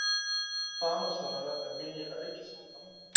زه د دوستانو سره د مینې اړیکې ساتم.